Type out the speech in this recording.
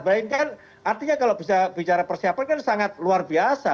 bahkan artinya kalau bisa bicara persiapan kan sangat luar biasa